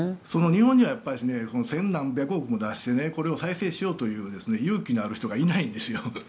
日本には１０００何百億も出してこれを再生しようという勇気のある人がいないんですよ。